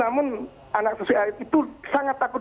namun anak sosial itu sangat takut dikira